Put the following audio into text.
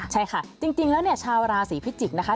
ใช่ค่ะจริงแล้วชาวราศีพิจิกนะคะ